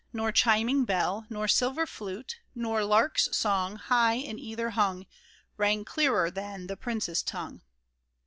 Nor chiming bell, nor silver flute. Nor lark's song, high in ether hung, Rang clearer than the prince's tongue